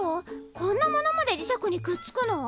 こんなものまで磁石にくっつくの？